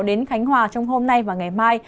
đến khánh hòa trong hôm nay và ngày mai